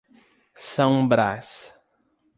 São Brás